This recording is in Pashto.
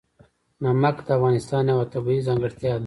نمک د افغانستان یوه طبیعي ځانګړتیا ده.